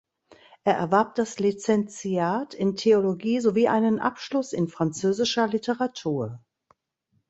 Er erwarb das Lizenziat in Theologie sowie einen Abschluss in französischer Literatur.